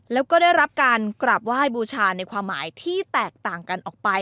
แล้วก็ได้รับการกราบไหว้บูชาในความหมายที่แตกต่างกันออกไป